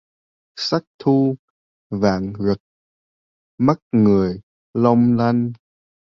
Sắc thu vàng rực mắt người long lanh